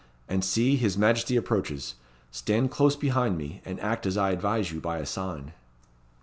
And see, his Majesty approaches. Stand close behind me, and act as I advise you by a sign."